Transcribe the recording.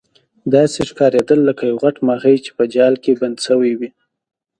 داسې ښکاریدل لکه یو غټ ماهي چې په جال کې بند شوی وي.